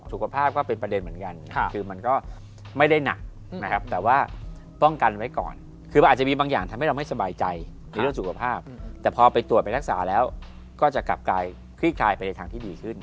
สุขภาพก็เป็นประเด็นเหมือนกันคือมันก็ไม่ได้หนักนะครับแต่ว่าป้องกันไว้ก่อนคือมันอาจจะมีบางอย่างทำให้เราไม่สบายใจในเรื่องสุขภาพแต่พอไปตรวจไปรักษาแล้วก็จะกลับกลายคลี่คลายไปในทางที่ดีขึ้น